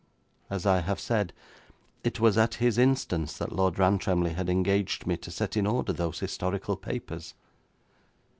As I have said, it was at his instance that Lord Rantremly had engaged me to set in order those historical papers.